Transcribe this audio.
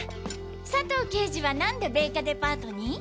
佐藤刑事はなんで米花デパートに？